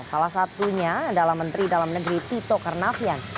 salah satunya adalah menteri dalam negeri tito karnavian